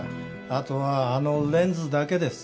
後はあのレンズだけです。